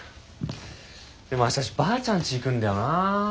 でも明日ばあちゃんち行くんだよなぁ。